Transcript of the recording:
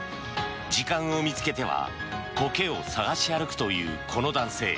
時間を見つけてはコケを探し歩くというこの男性。